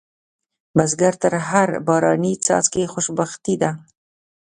بزګر ته هر باراني څاڅکی خوشبختي ده